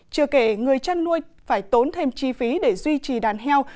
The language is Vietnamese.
chưa kể người chăn nuôi phải tốn thêm chi phí để duy trì đàn heo